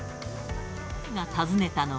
桝が訪ねたのは。